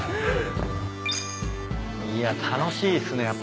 いや楽しいっすね